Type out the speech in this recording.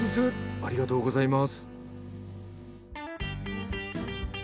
ありがとうございます。